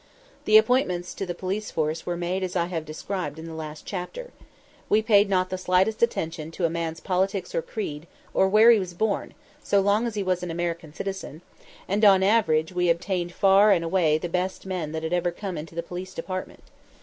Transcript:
The appointments to the police force were made as I have described in the last chapter. We paid not the slightest attention to a man's politics or creed, or where he was born, so long as he was an American citizen; and on an average we obtained far and away the best men that had ever come into the Police Department.